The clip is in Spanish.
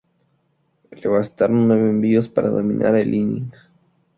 Le bastaron nueve envíos, para dominar el inning.